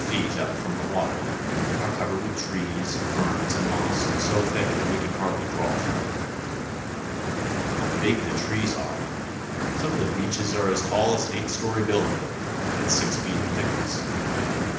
feet up from the water, are covered with trees, ferns, and moss so thick that we can hardly crawl through them. How big the trees are! Some of the beeches are as tall as an eight story building, and six feet in thickness.